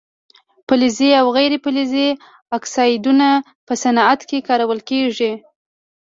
فلزي او غیر فلزي اکسایدونه په صنعت کې کارول کیږي.